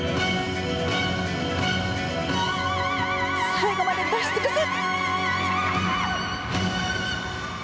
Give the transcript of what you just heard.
最後まで出し尽くす！